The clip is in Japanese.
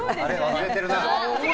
忘れてるな。